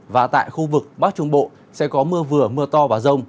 và tại khu vực bắc trung bộ sẽ có mưa vừa mưa to và rông